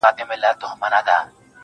د تاو تاو زلفو په کږلېچو کي به تل زه یم~